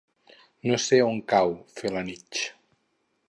No sé on cau Felanitx.